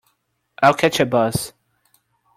I'll catch a bus.